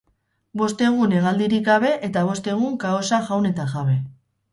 Bost egun hegaldirik gabe eta bost egun kaosa jaun eta jabe.